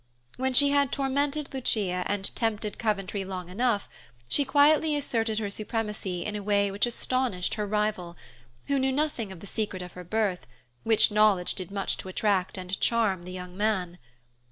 When she had tormented Lucia and tempted Coventry long enough, she quietly asserted her supremacy in a way which astonished her rival, who knew nothing of the secret of her birth, which knowledge did much to attract and charm the young man.